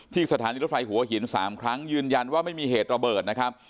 สถานีรถไฟหัวหิน๓ครั้งยืนยันว่าไม่มีเหตุระเบิดนะครับ